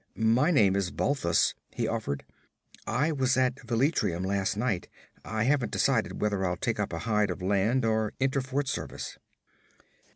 'My name is Balthus,' he offered. 'I was at Velitrium last night. I haven't decided whether I'll take up a hide of land, or enter fort service.'